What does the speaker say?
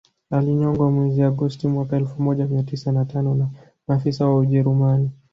Alinyongwa mwezi Agosti mwaka elfu moja mia tisa na tano na maafisa wa ujerumani